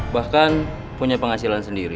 bahkan punya penghasilan sendiri